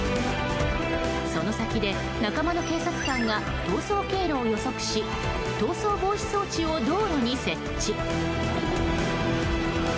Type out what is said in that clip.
その先で仲間の警察官が逃走経路を予測し逃走防止装置を道路に設置。